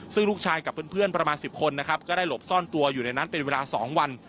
ซึ่งลูกชายกับเพื่อนประมาณ๑๐คนนะครับก็ได้หลบซ่อนตัวอยู่ในนั้นเป็นเวลา๒วัน